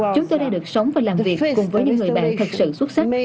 chúng tôi đã được sống và làm việc cùng với những người bạn thật sự xuất sắc